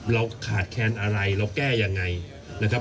เราขาดแคลนอะไรเราแก้ยังไงนะครับ